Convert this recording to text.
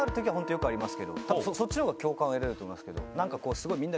そっちのほうが共感が得られると思います。